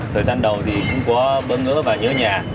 thời gian đầu thì cũng có bớn ngỡ và nhớ nhẹ